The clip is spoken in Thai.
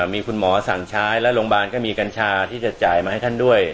มีคุณหมอสั่งใช้และโรงพยาบาลก็มีกัญชาที่จะจ่ายมาให้ท่านด้วย